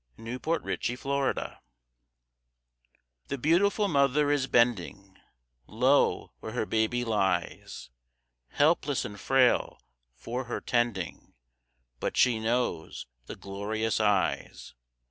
_ NATIVITY SONG The beautiful mother is bending Low where her baby lies, Helpless and frail, for her tending; But she knows the glorious eyes.